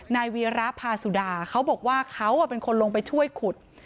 วีระพาสุดาเขาบอกว่าเขาเป็นคนลงไปช่วยขุด